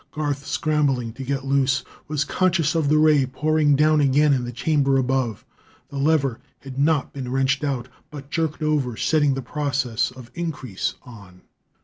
Garth, scrambling to get loose, was conscious of the ray pouring down again in the chamber above. The lever had not been wrenched out, but jerked over, setting the process of increase on.